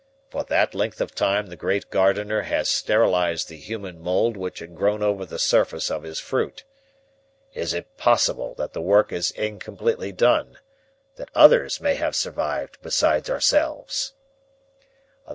For that length of time the Great Gardener has sterilized the human mold which had grown over the surface of His fruit. Is it possible that the work is incompletely done that others may have survived besides ourselves?"